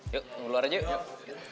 yuk keluar aja yuk